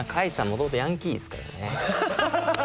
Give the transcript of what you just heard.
もともとヤンキーですからね。